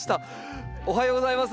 おはようございます。